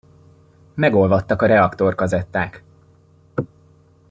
Megolvadtak a reaktorkazetták!